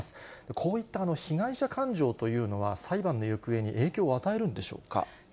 こういった被害者感情というのは、裁判の行方に影響を与えるんでしょうか？